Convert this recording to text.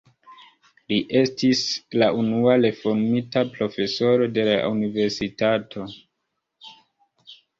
Li estis la unua reformita profesoro de la universitato.